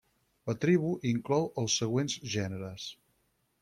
La tribu inclou els següents gèneres.